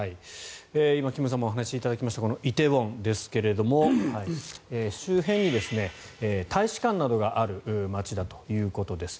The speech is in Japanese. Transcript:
今、金さんもお話しいただきました梨泰院ですが周辺に大使館などがある街だということです。